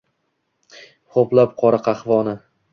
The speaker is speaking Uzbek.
Ho’plab qora qahvoni